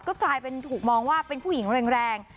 ก็กลายเป็นถูกมองว่าเป็นผู้หญิงแรง